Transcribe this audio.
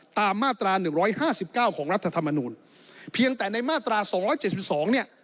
ตามมาตราหนึ่งร้อยห้าสิบเก้าของรัฐธรรมนูลเพียงแต่ในมาตราสองร้อยเจ็ดสิบสองเนี่ย